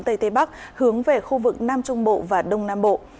tây tây bắc hướng về khu vực nam trung bộ và đông nam bộ